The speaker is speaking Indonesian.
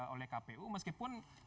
oleh kpu meskipun sebetulnya